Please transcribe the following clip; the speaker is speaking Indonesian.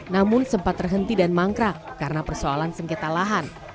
namun sempat terhenti dan mangkrak karena persoalan sengketa lahan